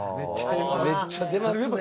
めっちゃ出ますね。